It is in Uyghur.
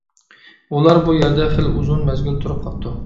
ئۇلار بۇ يەردە خېلى ئۇزۇن مەزگىل تۇرۇپ قاپتۇ.